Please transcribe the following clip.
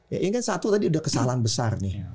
ya ingat satu tadi udah kesalahan besar nih